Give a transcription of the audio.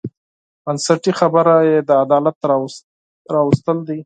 بنسټي خبره یې د عدالت راوستل دي.